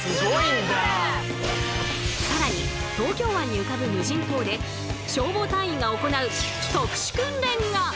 さらに東京湾に浮かぶ無人島で消防隊員が行う特殊訓練が！